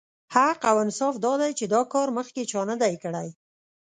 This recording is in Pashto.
حق او انصاف دا دی چې دا کار مخکې چا نه دی کړی.